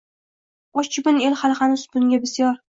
Och-yupun el hali hanuz bunda bisyor